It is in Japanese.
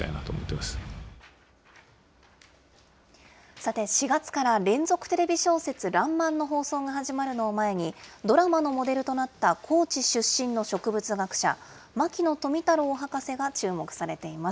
さて、４月から連続テレビ小説、らんまんの放送が始まるのを前に、ドラマのモデルとなった高知出身の植物学者、牧野富太郎博士が注目されています。